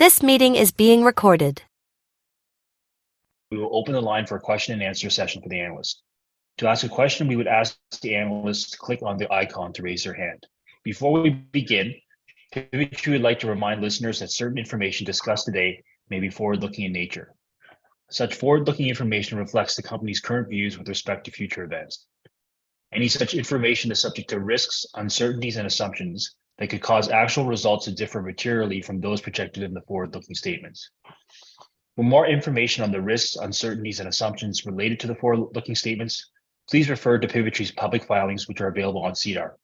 This meeting is being recorded. We will open the line for a question and answer session for the analyst. To ask a question, we would ask the analyst to click on the icon to raise their hand. Before we begin, we would like to remind listeners that certain information discussed today may be forward-looking in nature. Such forward-looking information reflects the company's current views with respect to future events. Any such information is subject to risks, uncertainties, and assumptions that could cause actual results to differ materially from those projected in the forward-looking statements. For more information on the risks, uncertainties, and assumptions related to the forward-looking statements, please refer to Pivotree's public filings, which are available on SEDAR.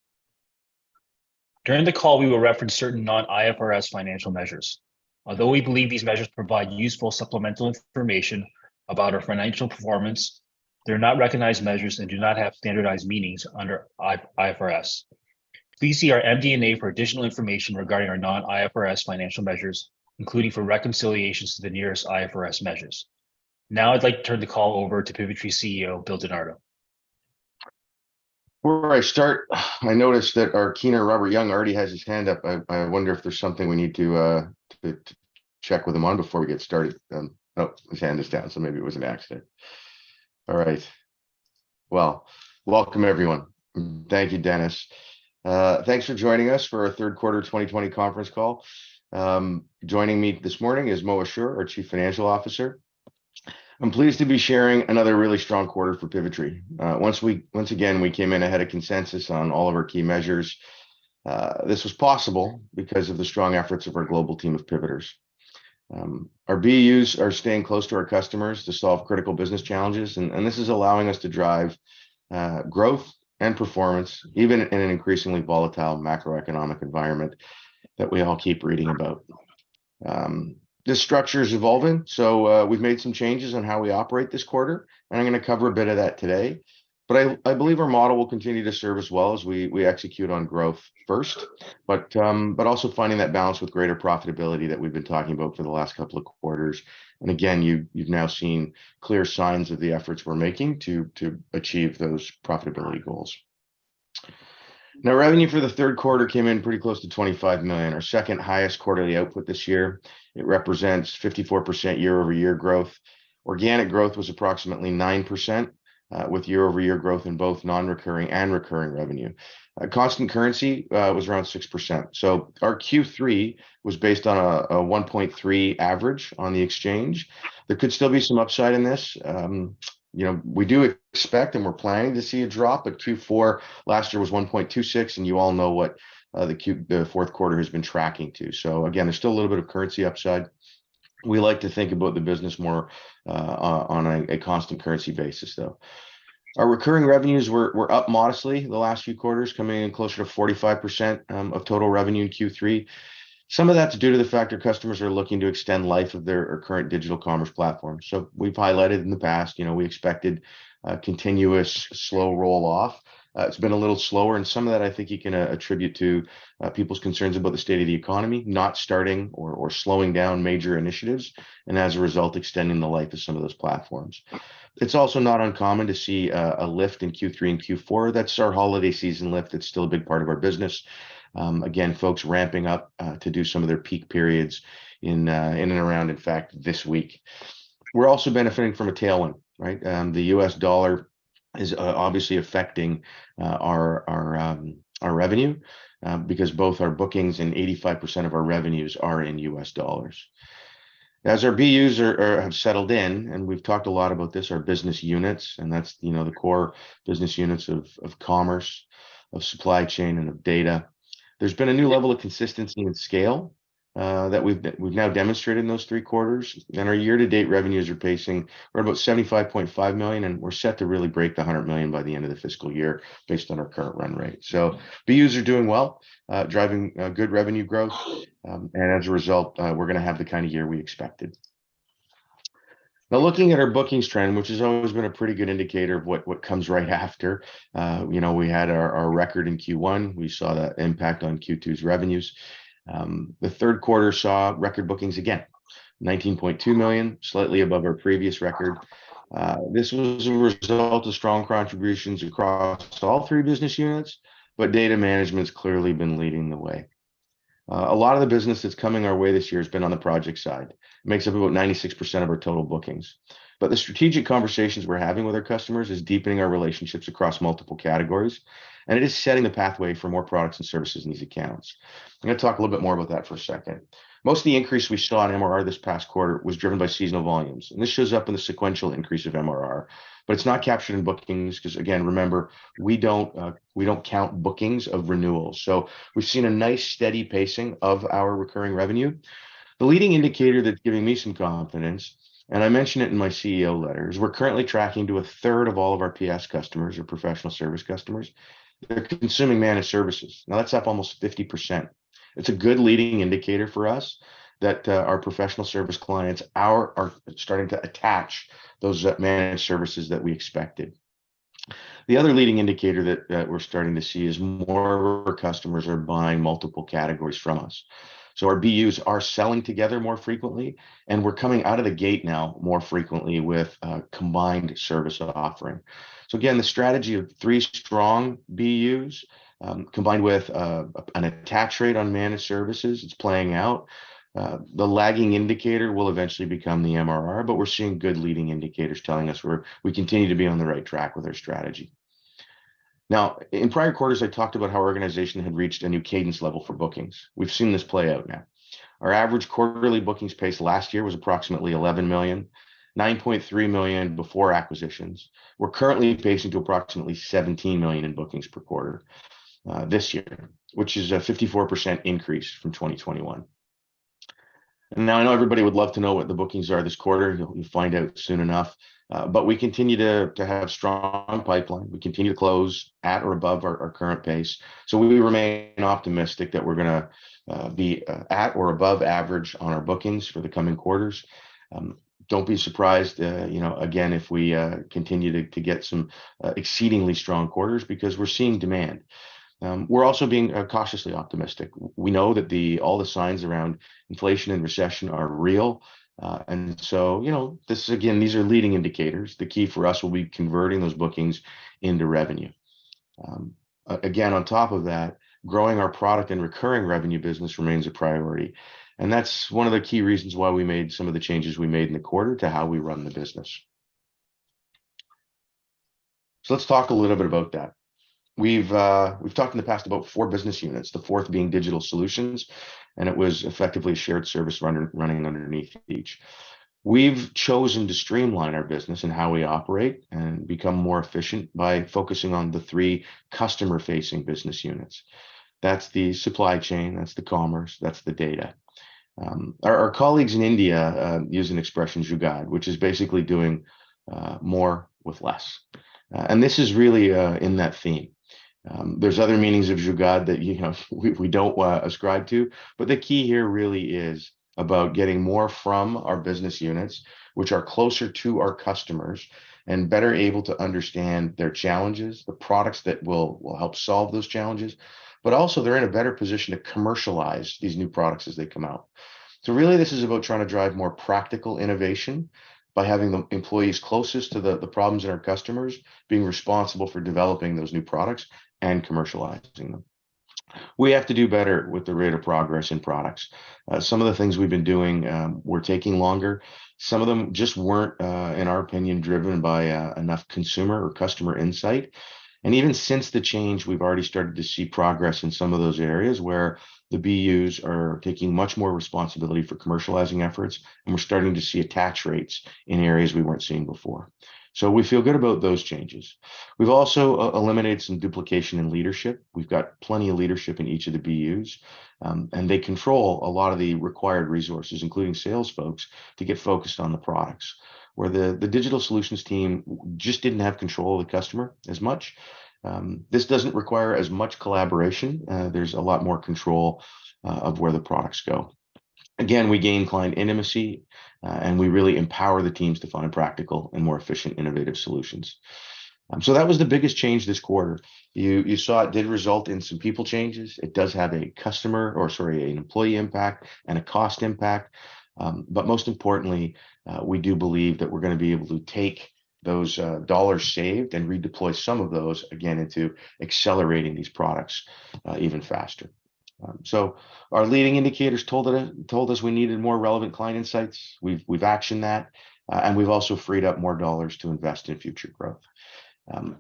During the call, we will reference certain non-IFRS financial measures. Although we believe these measures provide useful supplemental information about our financial performance, they are not recognized measures and do not have standardized meanings under IFRS. Please see our MD&A for additional information regarding our non-IFRS financial measures, including for reconciliations to the nearest IFRS measures. I'd like to turn the call over to Pivotree CEO, Bill DiNardo. Before I start, I noticed that our keener, Robert Young, already has his hand up. I wonder if there's something we need to check with him on before we get started. His hand is down, maybe it was an accident. All right. Well, welcome, everyone. Thank you, Dennis. Thanks for joining us for our 2nd quarter 2020 conference call. Joining me this morning is Mo Ashour, our Chief Financial Officer. I'm pleased to be sharing another really strong quarter for Pivotree. Once again, we came in ahead of consensus on all of our key measures. This was possible because of the strong efforts of our global team of Pivoters. Our BUs are staying close to our customers to solve critical business challenges, and this is allowing us to drive growth and performance, even in an increasingly volatile macroeconomic environment that we all keep reading about. This structure is evolving, we've made some changes on how we operate this quarter, and I'm going to cover a bit of that today. I believe our model will continue to serve us well as we execute on growth 1st, but also finding that balance with greater profitability that we've been talking about for the last couple of quarters. Again, you've now seen clear signs of the efforts we're making to achieve those profitability goals. Revenue for the 3rd quarter came in pretty close to 25 million, our 2nd-highest quarterly output this year. It represents 54% year-over-year growth. Organic growth was approximately 9% with year-over-year growth in both non-recurring and recurring revenue. Constant currency was around 6%. Our Q3 was based on a 1.3 average on the exchange. There could still be some upside in this. You know, we do expect and we're planning to see a drop at two four. Last year was 1.26, and you all know what the 4th quarter has been tracking to. Again, there's still a little bit of currency upside. We like to think about the business more on a constant currency basis, though. Our recurring revenues were up modestly the last few quarters, coming in closer to 45% of total revenue in Q3. Some of that's due to the fact our customers are looking to extend life of their current digital commerce platform. We've highlighted in the past, you know, we expected a continuous slow roll-off. It's been a little slower, and some of that I think you can attribute to people's concerns about the state of the economy, not starting or slowing down major initiatives, and as a result, extending the life of some of those platforms. It's also not uncommon to see a lift in Q3 and Q4. That's our holiday season lift. It's still a big part of our business. Again, folks ramping up to do some of their peak periods in and around, in fact, this week. We're also benefiting from a tailwind, right? The U.S. dollar is obviously affecting our revenue because both our bookings and 85% of our revenues are in U.S. dollars. Our BUs have settled in, and we've talked a lot about this, our business units, and that's, you know, the core business units of commerce, of supply chain, and of data. There's been a new level of consistency and scale that we've now demonstrated in those three quarters. Our year-to-date revenues are pacing. We're about 75.5 million, and we're set to really break the 100 million by the end of the fiscal year based on our current run rate. BUs are doing well, driving good revenue growth. As a result, we're going to have the kind of year we expected. Looking at our bookings trend, which has always been a pretty good indicator of what comes right after, you know, we had our record in Q1. We saw that impact on Q2's revenues. The 3rd quarter saw record bookings again, 19.2 million, slightly above our previous record. This was a result of strong contributions across all three business units, but data management's clearly been leading the way. A lot of the business that's coming our way this year has been on the project side. It makes up about 96% of our total bookings. The strategic conversations we're having with our customers is deepening our relationships across multiple categories, and it is setting the pathway for more products and services in these accounts. I'm going to talk a little bit more about that for a 2nd. Most of the increase we saw in MRR this past quarter was driven by seasonal volumes. This shows up in the sequential increase of MRR. It's not captured in bookings because again, remember, we don't, we don't count bookings of renewals. We've seen a nice steady pacing of our recurring revenue. The leading indicator that's giving me some confidence, and I mentioned it in my CEO letters, we're currently tracking to a 3rd of all of our PS customers or professional service customers that are consuming managed services. That's up almost 50%. It's a good leading indicator for us that our professional service clients are starting to attach those managed services that we expected. The other leading indicator that we're starting to see is more customers are buying multiple categories from us. Our BUs are selling together more frequently, and we're coming out of the gate now more frequently with a combined service offering. Again, the strategy of three strong BUs, combined with an attach rate on managed services, it's playing out. The lagging indicator will eventually become the MRR, but we're seeing good leading indicators telling us we continue to be on the right track with our strategy. In prior quarters, I talked about how our organization had reached a new cadence level for bookings. We've seen this play out now. Our average quarterly bookings pace last year was approximately 11 million, 9.3 million before acquisitions. We're currently pacing to approximately 17 million in bookings per quarter this year, which is a 54% increase from 2021. Now, I know everybody would love to know what the bookings are this quarter. You'll find out soon enough. We continue to have strong pipeline. We continue to close at or above our current pace. We remain optimistic that we're gonna be at or above average on our bookings for the coming quarters. Don't be surprised, you know, again, if we continue to get some exceedingly strong quarters because we're seeing demand. We're also being cautiously optimistic. We know that all the signs around inflation and recession are real. You know, this is again, these are leading indicators. The key for us will be converting those bookings into revenue. On top of that, growing our product and recurring revenue business remains a priority, and that's one of the key reasons why we made some of the changes we made in the quarter to how we run the business. Let's talk a little bit about that. We've, we've talked in the past about four business units, the 4th being Digital Solutions, and it was effectively a shared service running underneath each. We've chosen to streamline our business and how we operate and become more efficient by focusing on the three customer-facing business units. That's the supply chain, that's the commerce, that's the data. Our, our colleagues in India use an expression, Jugaad, which is basically doing more with less. This is really in that theme. There's other meanings of Jugaad that, you know, we don't ascribe to, but the key here really is about getting more from our business units, which are closer to our customers and better able to understand their challenges, the products that will help solve those challenges, but also they're in a better position to commercialize these new products as they come out. Really, this is about trying to drive more practical innovation by having the employees closest to the problems in our customers being responsible for developing those new products and commercializing them. We have to do better with the rate of progress in products. Some of the things we've been doing were taking longer. Some of them just weren't, in our opinion, driven by enough consumer or customer insight. Even since the change, we've already started to see progress in some of those areas where the BUs are taking much more responsibility for commercializing efforts, and we're starting to see attach rates in areas we weren't seeing before. We feel good about those changes. We've also eliminated some duplication in leadership. We've got plenty of leadership in each of the BUs, and they control a lot of the required resources, including sales folks, to get focused on the products. Where the Digital Solutions team just didn't have control of the customer as much. This doesn't require as much collaboration. There's a lot more control of where the products go. Again, we gain client intimacy, and we really empower the teams to find practical and more efficient innovative solutions. That was the biggest change this quarter. You saw it did result in some people changes. It does have a customer, or sorry, an employee impact and a cost impact. Most importantly, we do believe that we're gonna be able to take those dollars saved and redeploy some of those again into accelerating these products even faster. Our leading indicators told us we needed more relevant client insights. We've actioned that, and we've also freed up more dollars to invest in future growth.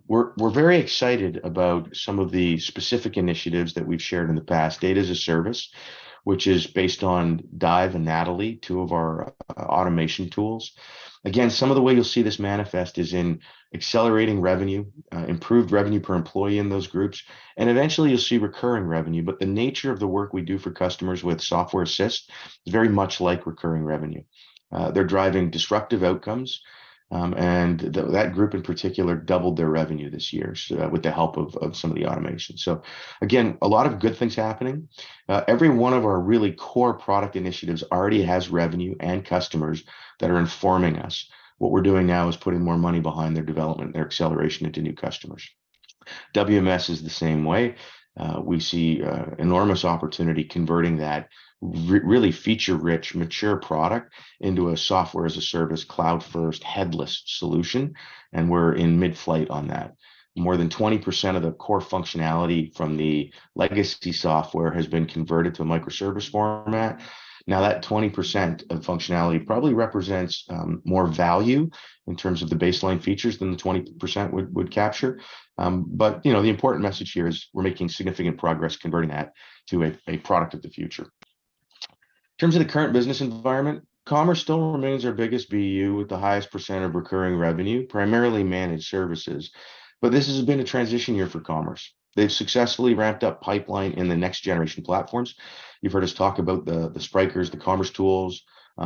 We're very excited about some of the specific initiatives that we've shared in the past. Data as a Service, which is based on DIVE and Natalie, two of our automation tools. Again, some of the way you'll see this manifest is in accelerating revenue, improved revenue per employee in those groups, and eventually you'll see recurring revenue. The nature of the work we do for customers with software assist is very much like recurring revenue. They're driving disruptive outcomes, and that group in particular doubled their revenue this year with the help of some of the automation. Again, a lot of good things happening. Every one of our really core product initiatives already has revenue and customers that are informing us. What we're doing now is putting more money behind their development, their acceleration into new customers. WMS is the same way. We see enormous opportunity converting that really feature-rich, mature product into a Software as a Service, cloud-1st, headless solution, and we're in mid-flight on that. More than 20% of the core functionality from the legacy software has been converted to a microservice format. Now, that 20% of functionality probably represents more value in terms of the baseline features than the 20% would capture. But you know, the important message here is we're making significant progress converting that to a product of the future. In terms of the current business environment, commerce still remains our biggest BU with the highest percent of recurring revenue, primarily managed services. This has been a transition year for commerce. They've successfully ramped up pipeline in the next generation platforms. You've heard us talk about the Spryker, the commercetools,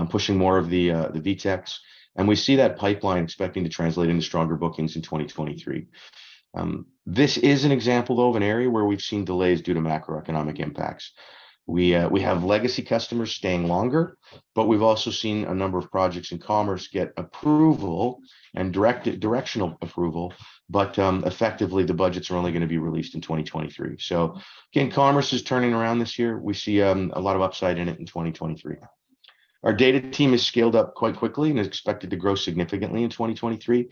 pushing more of the VTEX, and we see that pipeline expecting to translate into stronger bookings in 2023. This is an example though of an area where we've seen delays due to macroeconomic impacts. We have legacy customers staying longer, we've also seen a number of projects in commerce get approval and directional approval, effectively, the budgets are only gonna be released in 2023. Commerce is turning around this year. We see a lot of upside in it in 2023. Our data team has scaled up quite quickly and is expected to grow significantly in 2023.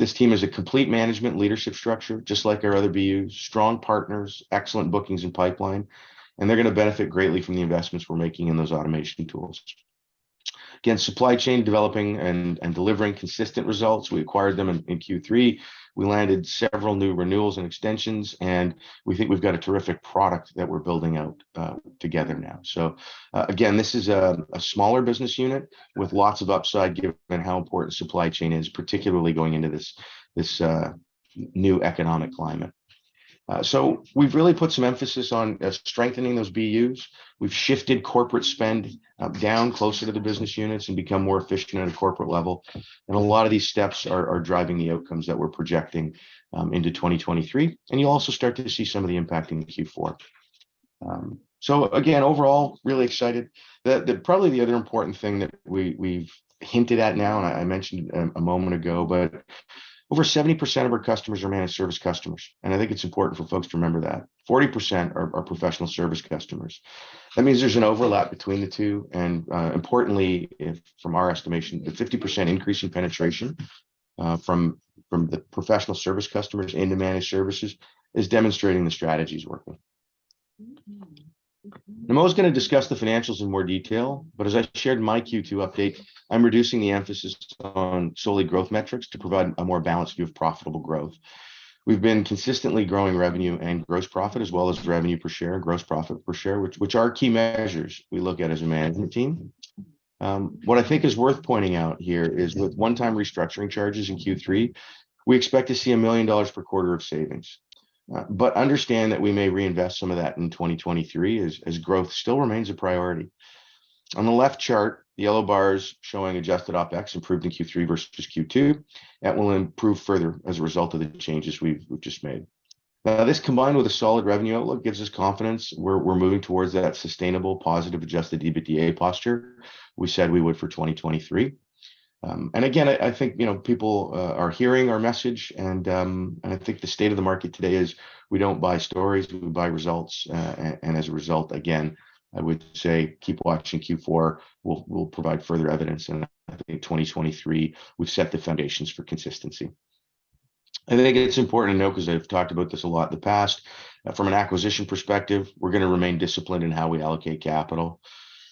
This team is a complete management leadership structure, just like our other BUs, strong partners, excellent bookings and pipeline, and they're gonna benefit greatly from the investments we're making in those automation tools. Supply chain developing and delivering consistent results. We acquired them in Q3. We landed several new renewals and extensions, and we think we've got a terrific product that we're building out together now. Again, this is a smaller business unit with lots of upside given how important supply chain is, particularly going into this new economic climate. We've really put some emphasis on strengthening those BUs. We've shifted corporate spend down closer to the business units and become more efficient at a corporate level. A lot of these steps are driving the outcomes that we're projecting into 2023, and you'll also start to see some of the impact in Q4. Again, overall, really excited. The probably the other important thing that we've hinted at now, and I mentioned it a moment ago, but over 70% of our customers are managed service customers, and I think it's important for folks to remember that. 40% are professional service customers. That means there's an overlap between the two, importantly, if from our estimation, the 50% increase in penetration from the professional service customers into managed services is demonstrating the strategy's working. Mo is gonna discuss the financials in more detail, as I shared in my Q2 update, I'm reducing the emphasis on solely growth metrics to provide a more balanced view of profitable growth. We've been consistently growing revenue and gross profit as well as revenue per share and gross profit per share, which are key measures we look at as a management team. What I think is worth pointing out here is with one-time restructuring charges in Q3, we expect to see 1 million dollars per quarter of savings. Understand that we may reinvest some of that in 2023 as growth still remains a priority. On the left chart, the yellow bar is showing adjusted OpEx improved in Q3 versus Q2. That will improve further as a result of the changes we've just made. This combined with a solid revenue outlook gives us confidence we're moving towards that sustainable positive adjusted EBITDA posture we said we would for 2023. Again, I think, you know, people are hearing our message and I think the state of the market today is we don't buy stories, we buy results. As a result, again, I would say keep watching Q4. We'll provide further evidence, and I think 2023, we've set the foundations for consistency. I think it's important to note, 'cause I've talked about this a lot in the past, from an acquisition perspective, we're gonna remain disciplined in how we allocate capital.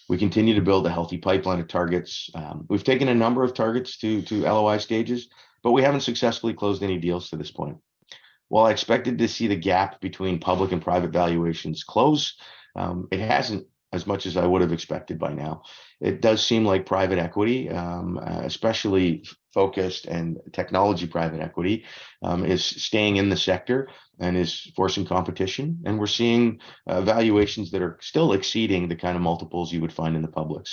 We continue to build a healthy pipeline of targets. We've taken a number of targets to LOI stages, but we haven't successfully closed any deals to this point. While I expected to see the gap between public and private valuations close, it hasn't as much as I would've expected by now. It does seem like private equity, especially focused and technology private equity, is staying in the sector and is forcing competition, and we're seeing valuations that are still exceeding the kind of multiples you would find in the public.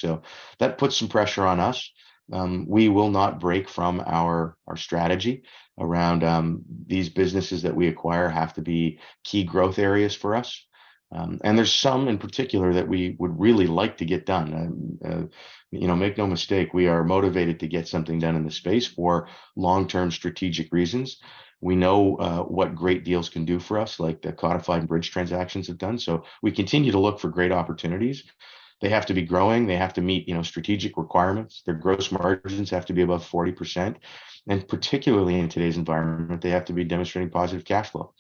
That puts some pressure on us. We will not break from our strategy around, these businesses that we acquire have to be key growth areas for us. There's some in particular that we would really like to get done. You know, make no mistake, we are motivated to get something done in this space for long-term strategic reasons. We know what great deals can do for us, like the Codifyd and Bridge transactions have done. We continue to look for great opportunities. They have to be growing. They have to meet, you know, strategic requirements. Their gross margins have to be above 40%, and particularly in today's environment, they have to be demonstrating positive cash flow.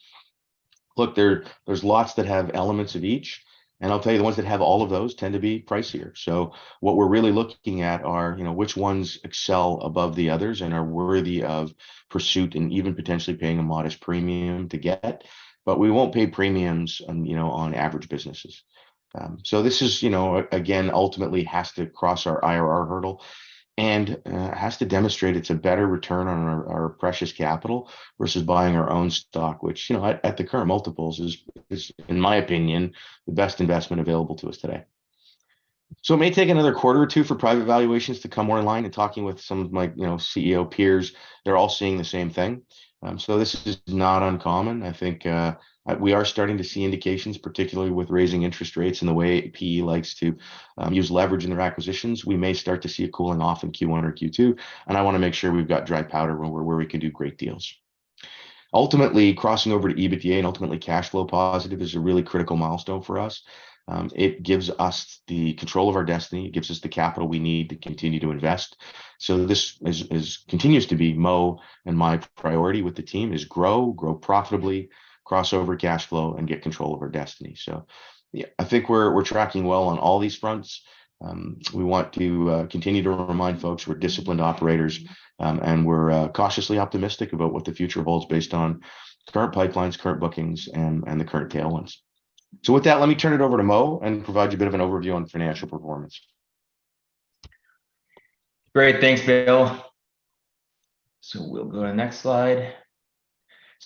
Look, there's lots that have elements of each, and I'll tell you, the ones that have all of those tend to be pricier. What we're really looking at are, you know, which ones excel above the others and are worthy of pursuit and even potentially paying a modest premium to get. We won't pay premiums on, you know, on average businesses. This is, you know, ultimately has to cross our IRR hurdle and has to demonstrate it's a better return on our precious capital versus buying our own stock, which, you know, at the current multiples is, in my opinion, the best investment available to us today. It may take another quarter or two for private valuations to come more in line. In talking with some of my, you know, CEO peers, they're all seeing the same thing. This is not uncommon. I think we are starting to see indications, particularly with raising interest rates and the way PE likes to use leverage in their acquisitions. We may start to see a cooling off in Q1 or Q2, and I wanna make sure we've got dry powder when we're where we can do great deals. Crossing over to EBITDA and ultimately cash flow positive is a really critical milestone for us. It gives us the control of our destiny. It gives us the capital we need to continue to invest. This continues to be Mo and my priority with the team is grow profitably, cross over cash flow, and get control of our destiny. Yeah, I think we're tracking well on all these fronts. We want to continue to remind folks we're disciplined operators, and we're cautiously optimistic about what the future holds based on current pipelines, current bookings, and the current tailwinds. With that, let me turn it over to Mo and provide you a bit of an overview on financial performance. Great. Thanks, Bill. We'll go to the next slide.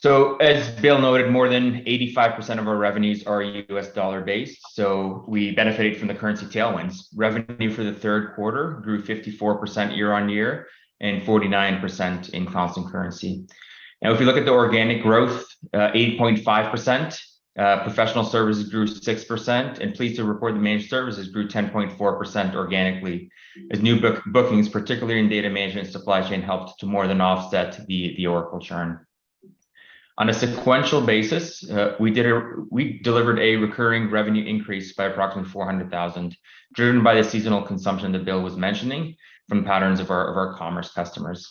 As Bill noted, more than 85% of our revenues are U.S. dollar based, we benefited from the currency tailwinds. Revenue for the 3rd quarter grew 54% year-over-year and 49% in constant currency. If you look at the organic growth, 80.5%. Professional services grew 6%, and pleased to report the managed services grew 10.4% organically as new book-bookings, particularly in data management and supply chain, helped to more than offset the Oracle churn. On a sequential basis, we delivered a recurring revenue increase by approximately 400,000, driven by the seasonal consumption that Bill was mentioning from patterns of our commerce customers.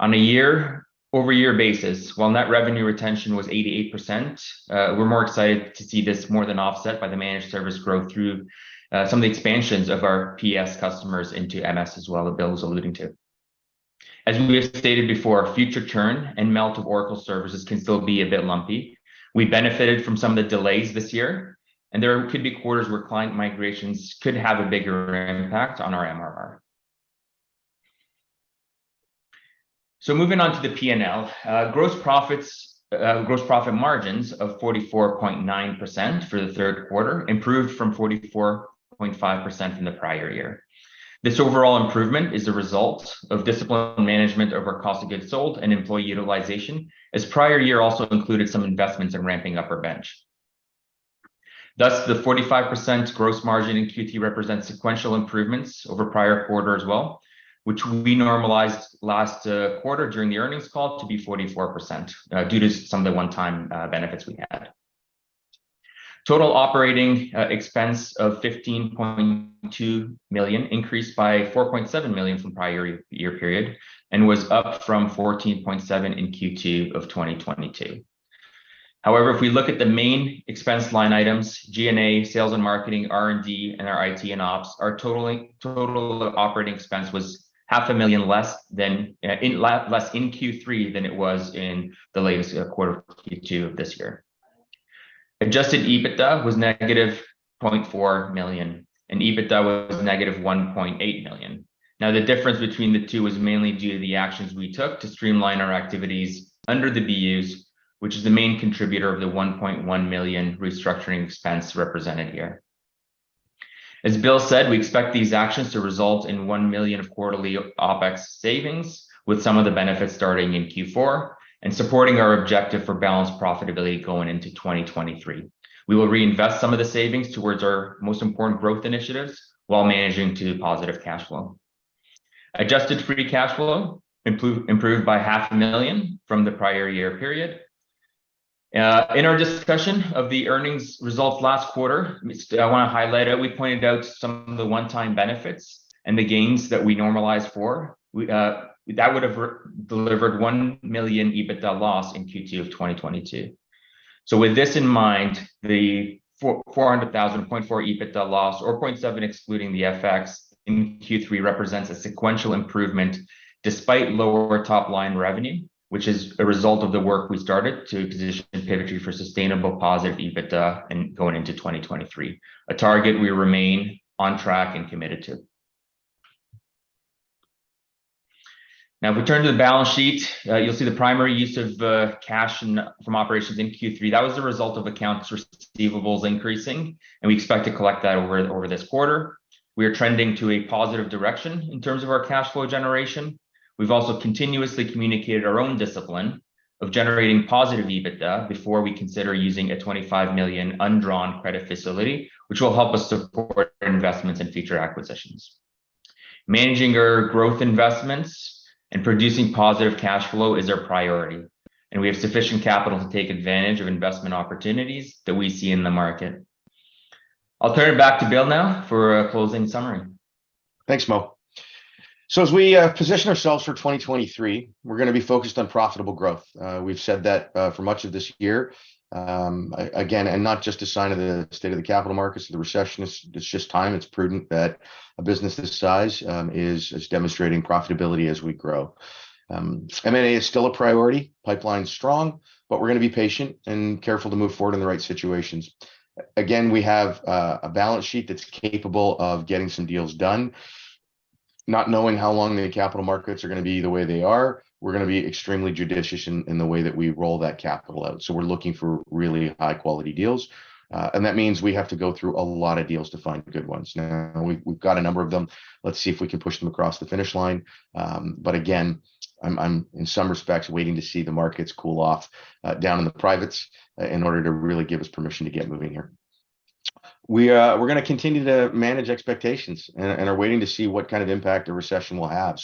On a year-over-year basis, while Net Revenue Retention was 88%, we're more excited to see this more than offset by the managed service growth through some of the expansions of our PS customers into MS as well, that Bill was alluding to. As we have stated before, future churn and melt of Oracle services can still be a bit lumpy. We benefited from some of the delays this year, and there could be quarters where client migrations could have a bigger impact on our MRR. Moving on to the P&L. Gross profits, gross profit margins of 44.9% for the 3rd quarter improved from 44.5% in the prior year. This overall improvement is the result of disciplined management over cost of goods sold and employee utilization, as prior year also included some investments in ramping up our bench. The 45% gross margin in Q3 represents sequential improvements over prior quarter as well, which we normalized last quarter during the earnings call to be 44% due to some of the one-time benefits we had. Total operating expense of 15.2 million increased by 4.7 million from prior year period and was up from 14.7 million in Q2 of 2022. If we look at the main expense line items, G&A, sales and marketing, R&D, and our IT and ops, our total operating expense was CAD 500, 000 less than in Q3 than it was in the latest quarter, Q2 of this year. Adjusted EBITDA was -0.4 million, and EBITDA was -1.8 million. The difference between the two was mainly due to the actions we took to streamline our activities under the BUs, which is the main contributor of the 1.1 million restructuring expense represented here. As Bill said, we expect these actions to result in 1 million of quarterly OpEx savings, with some of the benefits starting in Q4 and supporting our objective for balanced profitability going into 2023. We will reinvest some of the savings towards our most important growth initiatives while managing to positive cash flow. Adjusted Free Cash Flow improved by CAD 500, 000 from the prior year period. In our discussion of the earnings results last quarter, which I wanna highlight, we pointed out some of the one-time benefits and the gains that we normalized for. We that would have delivered 1 million EBITDA loss in Q2 of 2022. With this in mind, the 400,000.4 EBITDA loss, or 0.7 excluding the FX in Q3 represents a sequential improvement despite lower top-line revenue, which is a result of the work we started to position Pivotree for sustainable positive EBITDA going into 2023, a target we remain on track and committed to. If we turn to the balance sheet, you'll see the primary use of cash from operations in Q3. That was the result of accounts receivables increasing, and we expect to collect that over this quarter. We are trending to a positive direction in terms of our cash flow generation. We've also continuously communicated our own discipline of generating positive EBITDA before we consider using a 25 million undrawn credit facility, which will help us support investments in future acquisitions. Managing our growth investments and producing positive cash flow is our priority, and we have sufficient capital to take advantage of investment opportunities that we see in the market. I'll turn it back to Bill now for a closing summary. Thanks, Mo. As we position ourselves for 2023, we're gonna be focused on profitable growth. We've said that for much of this year. Again, not just a sign of the state of the capital markets or the recession. It's just time. It's prudent that a business this size is demonstrating profitability as we grow. M&A is still a priority. Pipeline's strong, we're gonna be patient and careful to move forward in the right situations. Again, we have a balance sheet that's capable of getting some deals done. Not knowing how long the capital markets are gonna be the way they are, we're gonna be extremely judicious in the way that we roll that capital out, we're looking for really high-quality deals. That means we have to go through a lot of deals to find good ones. We've got a number of them. Let's see if we can push them across the finish line. Again, I'm in some respects waiting to see the markets cool off down in the privates in order to really give us permission to get moving here. We're gonna continue to manage expectations and are waiting to see what kind of impact a recession will have.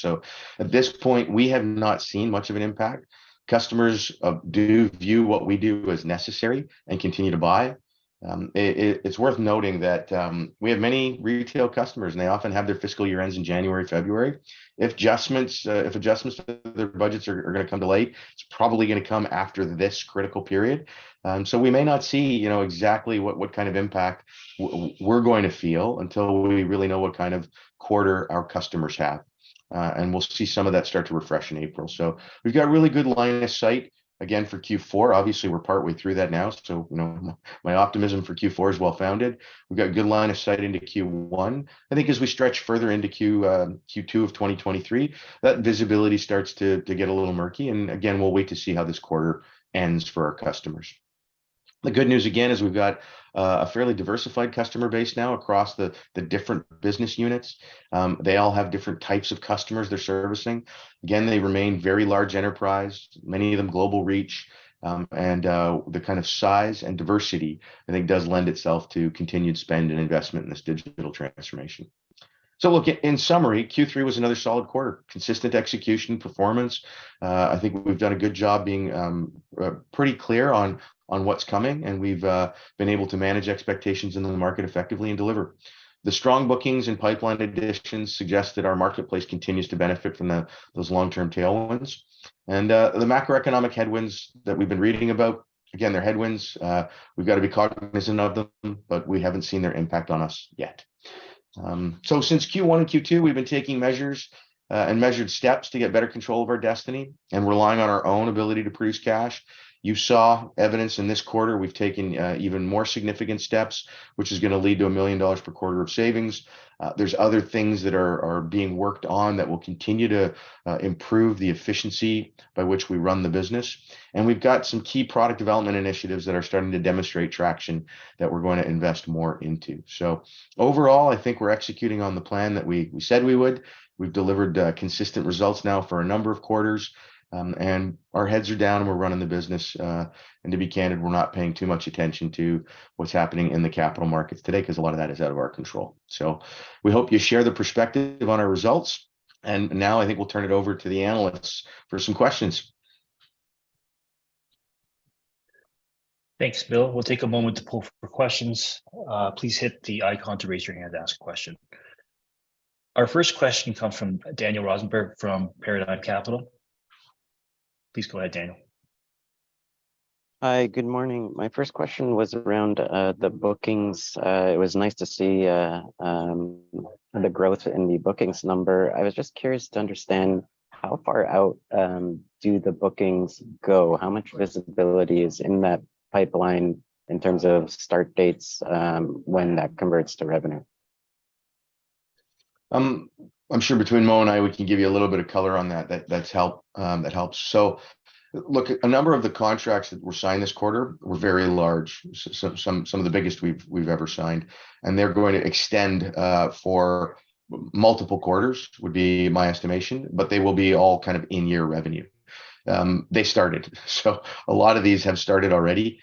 At this point, we have not seen much of an impact. Customers do view what we do as necessary and continue to buy. It's worth noting that we have many retail customers, and they often have their fiscal year ends in January, February. If adjustments to their budgets are going to come delayed, it's probably going to come after this critical period. We may not see, you know, exactly what kind of impact we're going to feel until we really know what kind of quarter our customers have. We'll see some of that start to refresh in April. We've got really good line of sight again for Q4. Obviously, we're partway through that now, you know, my optimism for Q4 is well-founded. We've got good line of sight into Q1. I think as we stretch further into Q2 of 2023, that visibility starts to get a little murky. Again, we'll wait to see how this quarter ends for our customers. The good news again is we've got a fairly diversified customer base now across the different business units. They all have different types of customers they're servicing. Again, they remain very large enterprise, many of them global reach, and the kind of size and diversity I think does lend itself to continued spend and investment in this digital transformation. Look, in summary, Q3 was another solid quarter, consistent execution performance. I think we've done a good job being pretty clear on what's coming, and we've been able to manage expectations in the market effectively and deliver. The strong bookings and pipeline additions suggest that our marketplace continues to benefit from those long-term tailwinds. The macroeconomic headwinds that we've been reading about, again, they're headwinds, we've got to be cognizant of them, but we haven't seen their impact on us yet. Since Q1 and Q2, we've been taking measures and measured steps to get better control of our destiny and relying on our own ability to produce cash. You saw evidence in this quarter. We've taken even more significant steps, which is going to lead to 1 million dollars per quarter of savings. There's other things that are being worked on that will continue to improve the efficiency by which we run the business. We've got some key product development initiatives that are starting to demonstrate traction that we're going to invest more into. Overall, I think we're executing on the plan that we said we would. We've delivered consistent results now for a number of quarters, and our heads are down, and we're running the business. To be candid, we're not paying too much attention to what's happening in the capital markets today 'cause a lot of that is out of our control. We hope you share the perspective on our results, and now I think we'll turn it over to the analysts for some questions. Thanks, Bill. We'll take a moment to pull for questions. Please hit the icon to raise your hand to ask a question. Our 1st question comes from Daniel Rosenberg from Paradigm Capital. Please go ahead, Daniel. Hi. Good morning. My 1st question was around the bookings. It was nice to see the growth in the bookings number. I was just curious to understand how far out do the bookings go. How much visibility is in that pipeline in terms of start dates, when that converts to revenue? I'm sure between Mo and I, we can give you a little bit of color on that that helps. Look, a number of the contracts that were signed this quarter were very large, some of the biggest we've ever signed, and they're going to extend for multiple quarters, would be my estimation. They will be all kind of in-year revenue. They started. A lot of these have started already.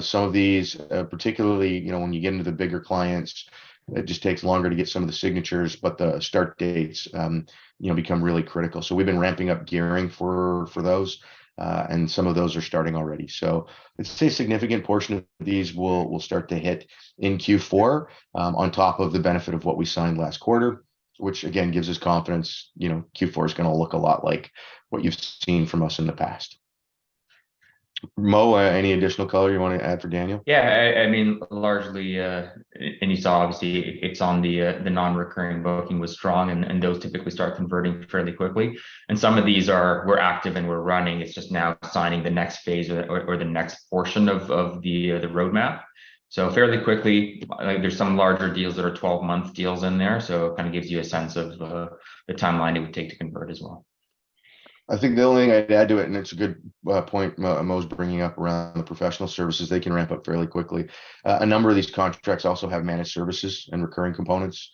Some of these, particularly, you know, when you get into the bigger clients, it just takes longer to get some of the signatures, the start dates, you know, become really critical. We've been ramping up gearing for those, and some of those are starting already. I'd say a significant portion of these will start to hit in Q4, on top of the benefit of what we signed last quarter, which again gives us confidence, you know, Q4 is gonna look a lot like what you've seen from us in the past. Mo, any additional color you wanna add for Daniel? Yeah. I mean, largely, and you saw obviously it's on the non-recurring booking was strong and those typically start converting fairly quickly. Some of these are we're active and we're running. It's just now signing the next phase or the next portion of the roadmap. Fairly quickly, like, there's some larger deals that are 12 month deals in there, so it kind of gives you a sense of the timeline it would take to convert as well. I think the only thing I'd add to it, and it's a good point Mo's bringing up around the professional services. They can ramp up fairly quickly. A number of these contracts also have managed services and recurring components.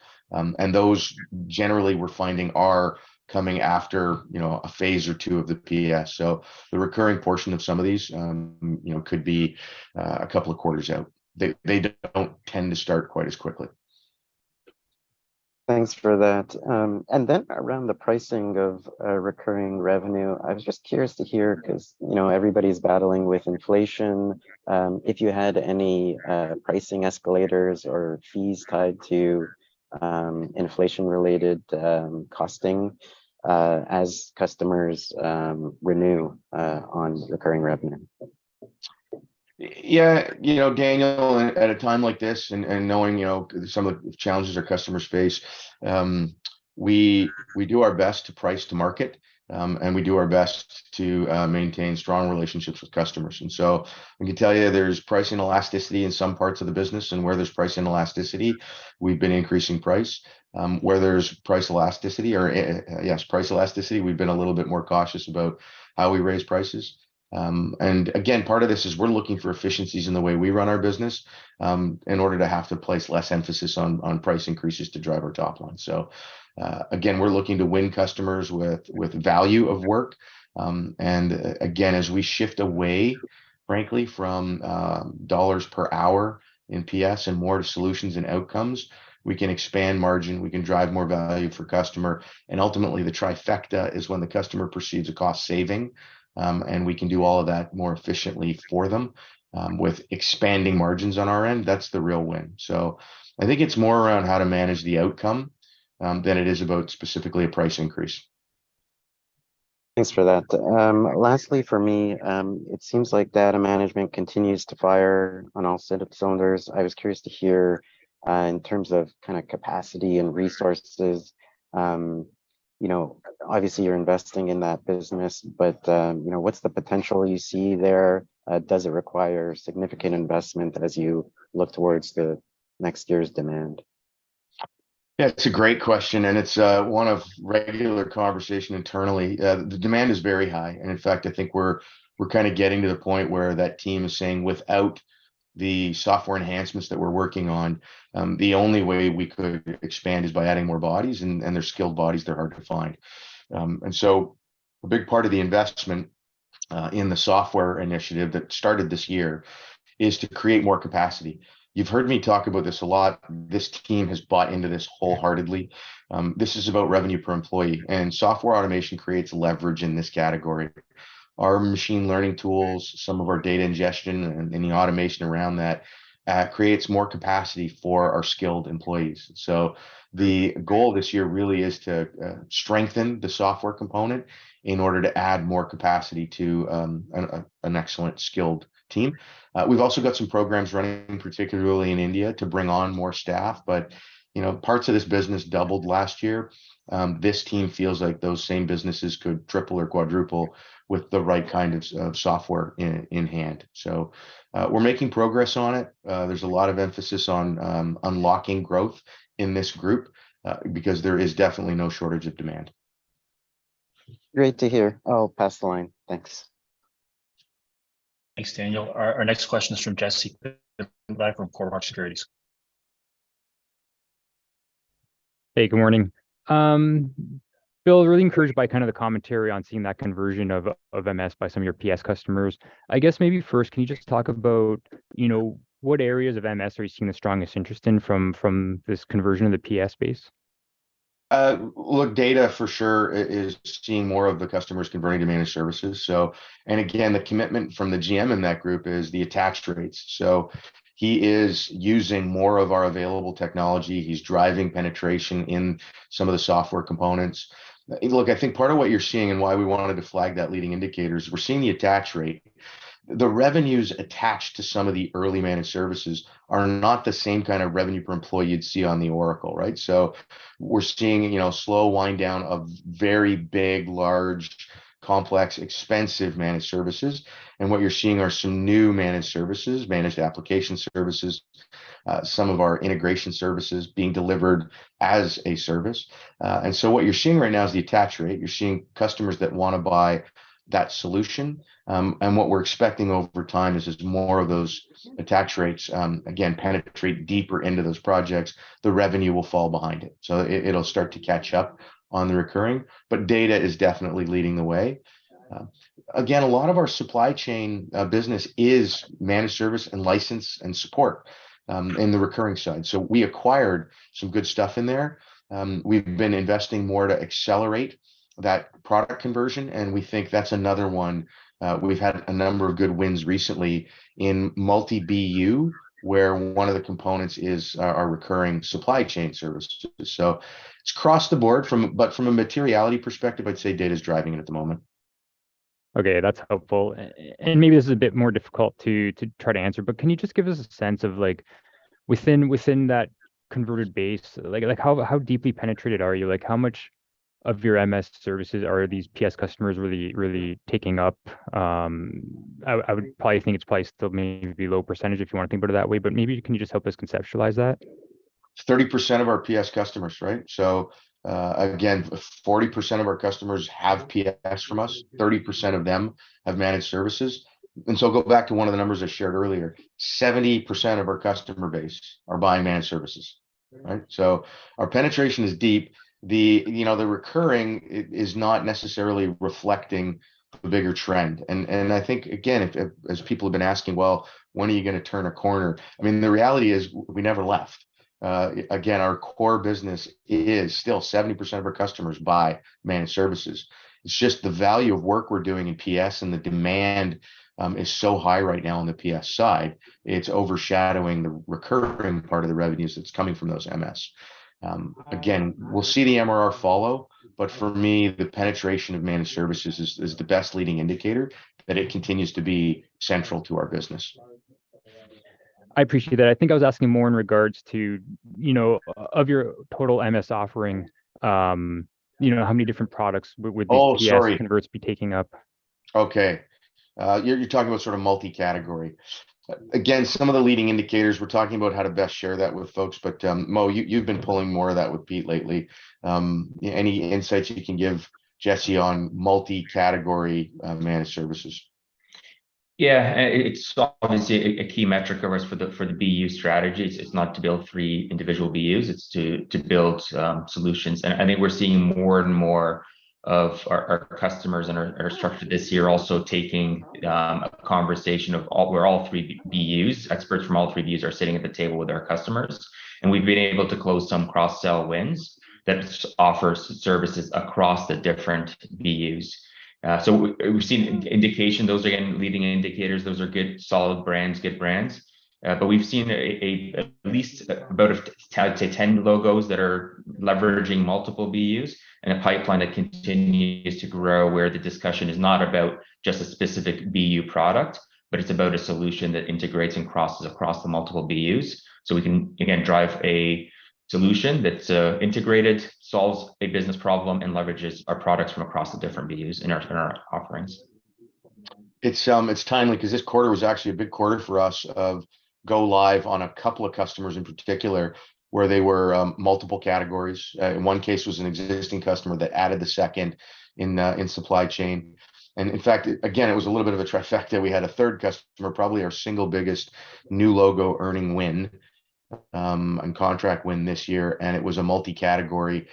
Those generally we're finding are coming after, you know, a phase or two of the PS. The recurring portion of some of these, you know, could be a couple of quarters out. They don't tend to start quite as quickly. Thanks for that. Around the pricing of recurring revenue, I was just curious to hear, 'cause, you know, everybody's battling with inflation, if you had any pricing escalators or fees tied to inflation-related costing as customers renew on recurring revenue? Yeah. You know, Daniel, at a time like this and knowing, you know, some of the challenges our customers face, we do our best to price to market, and we do our best to maintain strong relationships with customers. I can tell you there's pricing elasticity in some parts of the business, and where there's pricing elasticity, we've been increasing price. Where there's price elasticity or, yes, price elasticity, we've been a little bit more cautious about how we raise prices. Again, part of this is we're looking for efficiencies in the way we run our business, in order to have to place less emphasis on price increases to drive our top line. Again, we're looking to win customers with value of work. Again, as we shift away frankly from dollars per hour in PS and more to solutions and outcomes, we can expand margin, we can drive more value for customer, and ultimately the trifecta is when the customer perceives a cost saving, and we can do all of that more efficiently for them, with expanding margins on our end. That's the real win. I think it's more around how to manage the outcome, than it is about specifically a price increase. Thanks for that. Lastly for me, it seems like data management continues to fire on all cylinders. I was curious to hear, in terms of kind of capacity and resources, you know, obviously you're investing in that business, but, you know, what's the potential you see there? Does it require significant investment as you look towards the next year's demand? That's a great question, and it's one of regular conversation internally. The demand is very high, and in fact, I think we're kinda getting to the point where that team is saying without the software enhancements that we're working on, the only way we could expand is by adding more bodies, and they're skilled bodies. They're hard to find. A big part of the investment in the software initiative that started this year is to create more capacity. You've heard me talk about this a lot. This team has bought into this wholeheartedly. This is about revenue per employee, and software automation creates leverage in this category. Our machine learning tools, some of our data ingestion and the automation around that creates more capacity for our skilled employees. The goal this year really is to strengthen the software component in order to add more capacity to an excellent skilled team. We've also got some programs running, particularly in India, to bring on more staff, you know, parts of this business doubled last year. This team feels like those same businesses could triple or quadruple with the right kind of software in hand. We're making progress on it. There's a lot of emphasis on unlocking growth in this group because there is definitely no shortage of demand. Great to hear. I'll pass the line. Thanks. Thanks, Daniel. Our next question is from Jesse from Cormark Securities. Good morning. Bill, really encouraged by kind of the commentary on seeing that conversion of MS by some of your PS customers. I guess maybe 1st can you just talk about, you know, what areas of MS are you seeing the strongest interest in from this conversion of the PS base? Look, data for sure is seeing more of the customers converting to managed services. Again, the commitment from the GM in that group is the attach rates. He is using more of our available technology. He's driving penetration in some of the software components. Look, I think part of what you're seeing, and why we wanted to flag that leading indicator, is we're seeing the attach rate. The revenues attached to some of the early managed services are not the same kind of revenue per employee you'd see on the Oracle, right. We're seeing, you know, slow wind down of very big, large, complex, expensive managed services, and what you're seeing are some new managed services, managed application services, some of our integration services being delivered as a service. What you're seeing right now is the attach rate. You're seeing customers that wanna buy that solution. What we're expecting over time is just more of those attach rates, again, penetrate deeper into those projects. The revenue will fall behind it. It, it'll start to catch up on the recurring. Data is definitely leading the way. Again, a lot of our supply chain, business is managed service and license and support, in the recurring side. We acquired some good stuff in there. We've been investing more to accelerate that product conversion, we think that's another one. We've had a number of good wins recently in multi-BU, where one of the components is our recurring supply chain services. It's across the board from... From a materiality perspective, I'd say data's driving it at the moment. Okay. That's helpful. Maybe this is a bit more difficult to try to answer, but can you just give us a sense of, like, within that converted base, like how deeply penetrated are you? Like, how much of your MS services are these PS customers really taking up? I would probably think it's probably still maybe low percentage if you wanna think about it that way, but maybe can you just help us conceptualize that? 30% of our PS customers, right? Again, 40% of our customers have PS from us. 30% of them have managed services. Go back to one of the numbers I shared earlier. 70% of our customer base are buying managed services. Right? Our penetration is deep. The, you know, the recurring is not necessarily reflecting the bigger trend. And I think, again, if as people have been asking, "Well, when are you gonna turn a corner?" I mean, the reality is we never left. Again, our core business is still 70% of our customers buy managed services. It's just the value of work we're doing in PS and the demand is so high right now on the PS side, it's overshadowing the recurring part of the revenues that's coming from those MS. Again, we'll see the MRR follow, but for me, the penetration of managed services is the best leading indicator that it continues to be central to our business. I appreciate that. I think I was asking more in regards to, you know, of your total MS offering, you know, how many different products would these- Oh, sorry.... PS converts be taking up? Okay. You're talking about sort of multi-category. Some of the leading indicators, we're talking about how to best share that with folks, Mo, you've been pulling more of that with Pete lately. Any insights you can give Jesse on multi-category, managed services? Yeah. It's obviously a key metric of ours for the BU strategy. It's not to build three individual BUs, it's to build solutions. I think we're seeing more and more of our customers and our structure this year also taking a conversation of all, where all three BUs, experts from all three BUs are sitting at the table with our customers. We've been able to close some cross-sell wins that offers services across the different BUs. We've seen indication those, again, leading indicators, those are good solid brands, good brands. We've seen at least about say 10 logos that are leveraging multiple BUs in a pipeline that continues to grow where the discussion is not about just a specific BU product, but it's about a solution that integrates and crosses across the multiple BUs. We can, again, drive a solution that's integrated, solves a business problem, and leverages our products from across the different BUs in our, in our offerings. It's timely 'cause this quarter was actually a big quarter for us of go live on a couple of customers in particular where they were multiple categories. In 1 case was an existing customer that added the 2nd in supply chain. In fact, again, it was a little bit of a trifecta. We had a 3rd customer, probably our single biggest new logo earning win, contract win this year, and it was a multi-category.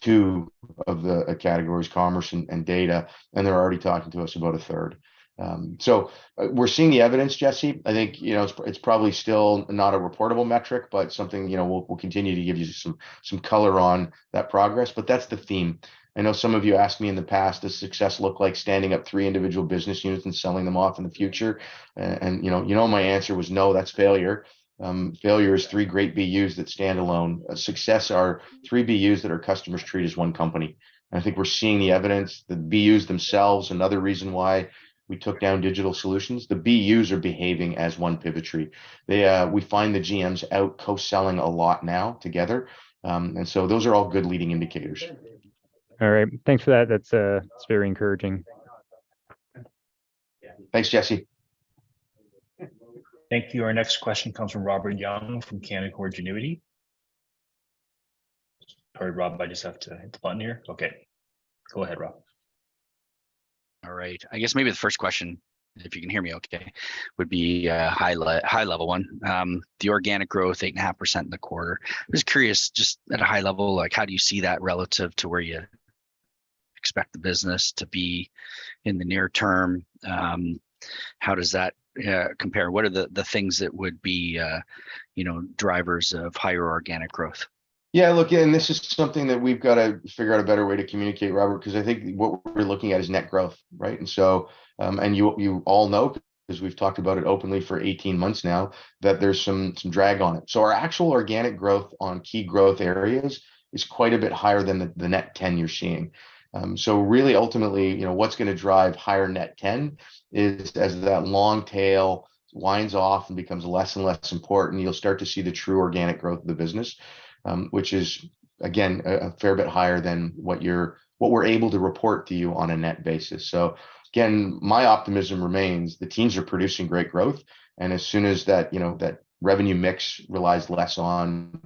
Two of the categories, commerce and data, and they're already talking to us about a 3rd. We're seeing the evidence, Jesse. I think, you know, it's probably still not a reportable metric, but something, you know, we'll continue to give you some color on that progress. That's the theme. I know some of you asked me in the past, does success look like standing up three individual business units and selling them off in the future? you know my answer was no, that's failure. Failure is three great BUs that stand alone. A success are three BUs that our customers treat as one company. I think we're seeing the evidence. The BUs themselves, another reason why we took down Digital Solutions, the BUs are behaving as one Pivotree. They. We find the GMs out co-selling a lot now together. Those are all good leading indicators. All right. Thanks for that. That's, it's very encouraging. Yeah. Thanks, Jesse. Thank you. Our next question comes from Robert Young from Canaccord Genuity. Sorry, Robert, I just have to hit the button here. Okay. Go ahead, Rob. All right. I guess maybe the 1st question, if you can hear me okay, would be a high-level one. The organic growth, 8.5% in the quarter. I'm just curious, just at a high level, like, how do you see that relative to where you expect the business to be in the near term? How does that compare? What are the things that would be, you know, drivers of higher organic growth? This is something that we've got to figure out a better way to communicate, Robert, 'cause I think what we're looking at is net growth, right? You all know 'cause we've talked about it openly for 18 months now, that there's some drag on it. Our actual organic growth on key growth areas is quite a bit higher than the net 10 you're seeing. Really ultimately, you know, what's gonna drive higher net 10 is as that long tail winds off and becomes less and less important, you'll start to see the true organic growth of the business, which is, again, a fair bit higher than what we're able to report to you on a net basis. Again, my optimism remains. The teams are producing great growth. As soon as that, you know, that revenue mix relies less on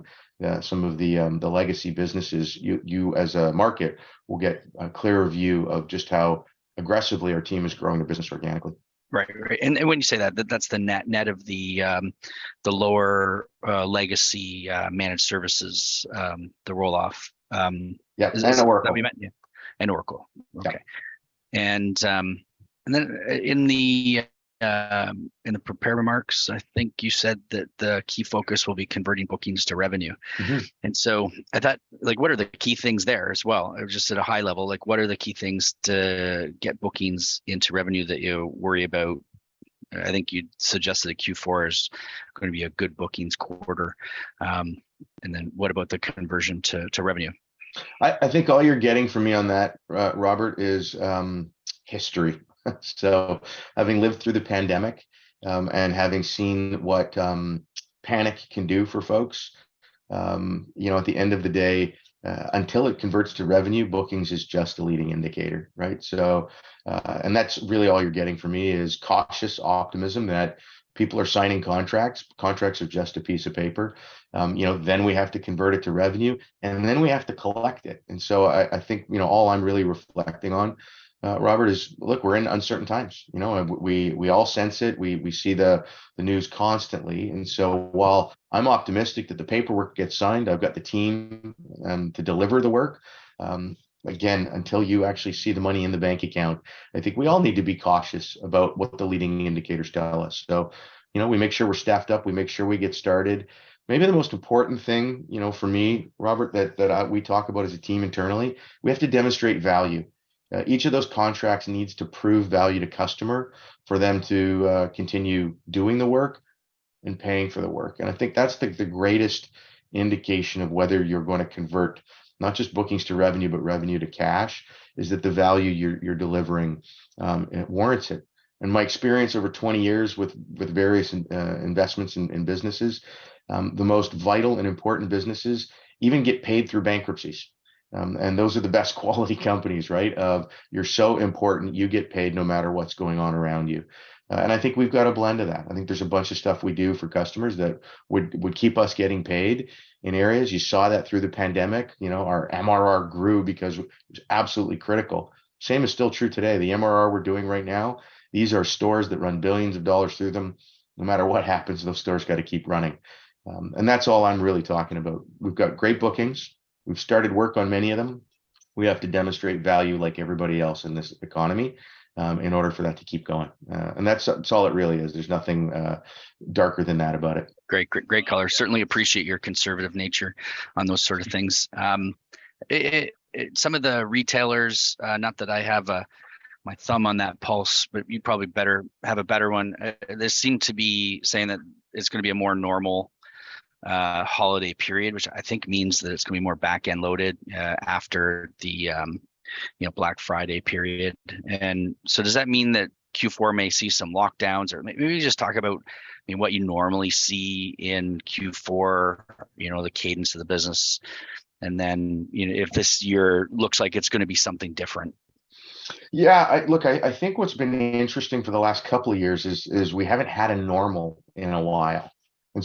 some of the legacy businesses, you as a market will get a clearer view of just how aggressively our team is growing the business organically. Right. Right. When you say that's the net of the lower, legacy, managed services, the roll-off. Yeah. Oracle. Yeah. Okay. In the prepared remarks, I think you said that the key focus will be converting bookings to revenue. Mm-hmm. Like, what are the key things there as well? Just at a high level, like, what are the key things to get bookings into revenue that you worry about? I think you suggested that Q4 is gonna be a good bookings quarter. What about the conversion to revenue? I think all you're getting from me on that, Robert, is history. Having lived through the pandemic, and having seen what panic can do for folks, you know, at the end of the day, until it converts to revenue, bookings is just a leading indicator, right? That's really all you're getting from me is cautious optimism that people are signing contracts. Contracts are just a piece of paper. You know, then we have to convert it to revenue, and then we have to collect it. I think, you know, all I'm really reflecting on, Robert, is, look, we're in uncertain times. You know, we all sense it. We see the news constantly. While I'm optimistic that the paperwork gets signed, I've got the team to deliver the work. Again, until you actually see the money in the bank account, I think we all need to be cautious about what the leading indicators tell us. You know, we make sure we're staffed up, we make sure we get started. Maybe the most important thing, you know, for me, Robert, that we talk about as a team internally, we have to demonstrate value. Each of those contracts needs to prove value to customer for them to continue doing the work and paying for the work. I think that's the greatest indication of whether you're gonna convert, not just bookings to revenue, but revenue to cash, is that the value you're delivering, it warrants it. In my experience over 20 years with various investments in businesses, the most vital and important businesses even get paid through bankruptcies. Those are the best quality companies, right? Of you're so important, you get paid no matter what's going on around you. I think we've got a blend of that. I think there's a bunch of stuff we do for customers that would keep us getting paid in areas. You saw that through the pandemic. You know, our MRR grew because it was absolutely critical. Same is still true today. The MRR we're doing right now, these are stores that run billions dollars through them. No matter what happens, those stores gotta keep running. That's all I'm really talking about. We've got great bookings. We've started work on many of them. We have to demonstrate value like everybody else in this economy, in order for that to keep going. That's all it really is. There's nothing darker than that about it. Great. Great color. Certainly appreciate your conservative nature on those sort of things. It some of the retailers, not that I have my thumb on that pulse, but you probably have a better one. They seem to be saying that it's gonna be a more normal holiday period, which I think means that it's gonna be more back-end loaded after the, you know, Black Friday period. Does that mean that Q4 may see some lockdowns? Maybe just talk about, I mean, what you normally see in Q4, you know, the cadence of the business. You know, if this year looks like it's gonna be something different. Yeah. Look, I think what's been interesting for the last couple of years is we haven't had a normal in a while,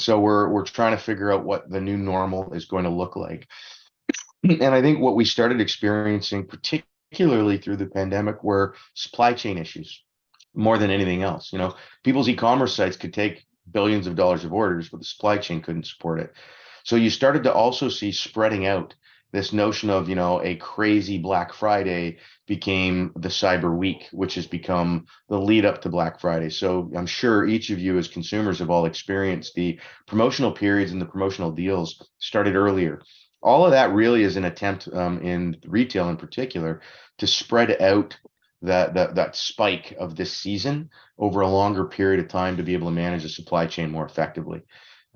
we're trying to figure out what the new normal is going to look like. I think what we started experiencing, particularly through the pandemic, were supply chain issues more than anything else. You know, people's e-commerce sites could take billions of dollars of orders, the supply chain couldn't support it. You started to also see spreading out this notion of, you know, a crazy Black Friday became the cyber week, which has become the lead-up to Black Friday. I'm sure each of you, as consumers, have all experienced the promotional periods, and the promotional deals started earlier. All of that really is an attempt, in retail in particular, to spread out that, that spike of this season over a longer period of time to be able to manage the supply chain more effectively.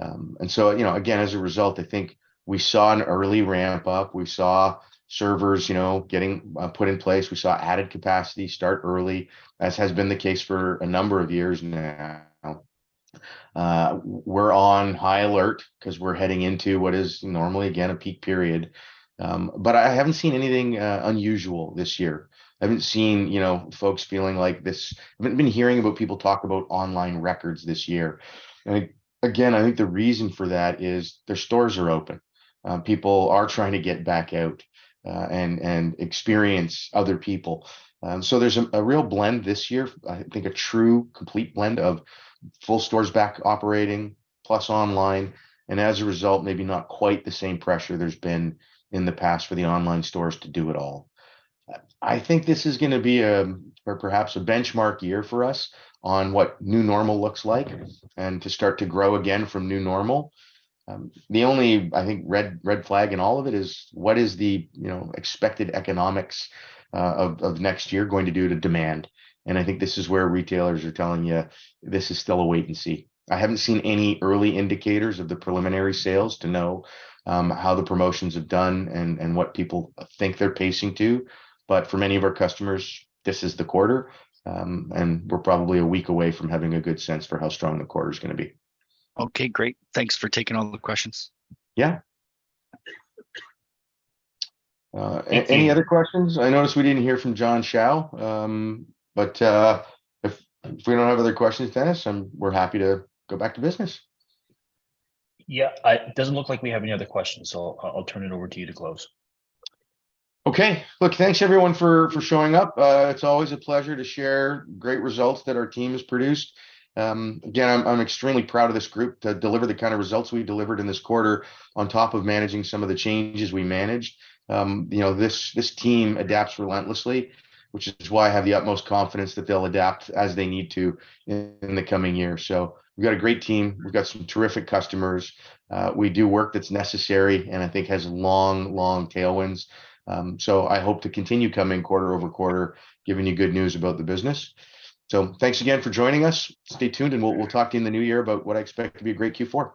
You know, again, as a result, I think we saw an early ramp up. We saw servers, you know, getting put in place. We saw added capacity start early, as has been the case for a number of years now. We're on high alert 'cause we're heading into what is normally, again, a peak period. I haven't seen anything unusual this year. I haven't seen, you know, folks feeling like this... I haven't been hearing about people talk about online records this year. Again, I think the reason for that is their stores are open. People are trying to get back out, and experience other people. There's a real blend this year, I think a true complete blend of full stores back operating plus online, and as a result, maybe not quite the same pressure there's been in the past for the online stores to do it all. I think this is gonna be a, or perhaps a benchmark year for us on what new normal looks like and to start to grow again from new normal. The only, I think, red flag in all of it is: What is the, you know, expected economics of next year going to do to demand? I think this is where retailers are telling you this is still a wait and see. I haven't seen any early indicators of the preliminary sales to know how the promotions have done and what people think they're pacing to. For many of our customers, this is the quarter, and we're probably a week away from having a good sense for how strong the quarter's gonna be. Okay, great. Thanks for taking all the questions. Yeah. Any other questions? I noticed we didn't hear from John Shao. If we don't have other questions, Dennis, we're happy to go back to business. Yeah. It doesn't look like we have any other questions, I'll turn it over to you to close. Okay. Look, thanks everyone for showing up. It's always a pleasure to share great results that our team has produced. Again, I'm extremely proud of this group to deliver the kind of results we delivered in this quarter on top of managing some of the changes we managed. You know, this team adapts relentlessly, which is why I have the utmost confidence that they'll adapt as they need to in the coming year. We've got a great team. We've got some terrific customers. We do work that's necessary and I think has long, long tailwinds. I hope to continue coming quarter-over-quarter, giving you good news about the business. Thanks again for joining us. Stay tuned, and we'll talk to you in the new year about what I expect to be a great Q4.